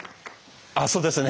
あっそうですね